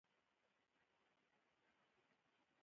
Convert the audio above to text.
ښوونځی د سواد اهمیت ښيي.